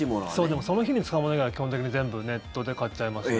でもその日に使うもの以外は基本的に全部ネットで買っちゃいますね。